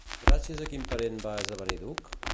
Gràcies a quin parent va esdevenir duc?